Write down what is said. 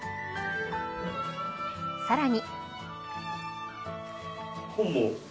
さらに。